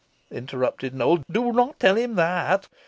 interrupted Nowell; "do not tell him that.